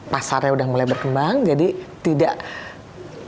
pasarnya sudah mulai berkembang jadi tidak bisa